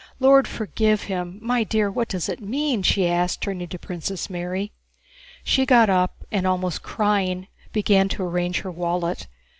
"Lord forgive him! My dear, what does it mean?..." she asked, turning to Princess Mary. She got up and, almost crying, began to arrange her wallet.